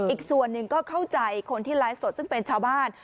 อีกส่วนหนึ่งก็เข้าใจคนที่ไลฟ์สดซึ่งเป็นชาวบ้าน